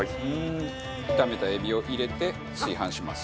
炒めたエビを入れて炊飯します。